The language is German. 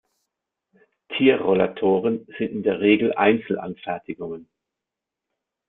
Tier-Rollatoren sind in der Regel Einzelanfertigungen.